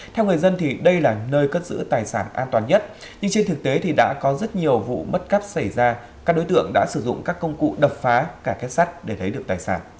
theo người dân thì đây là nơi cất giữ tài sản an toàn nhất nhưng trên thực tế thì đã có rất nhiều vụ mất cắp xảy ra các đối tượng đã sử dụng các công cụ đập phá cả kết sắt để thấy được tài sản